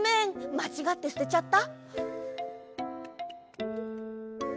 まちがってすてちゃった！？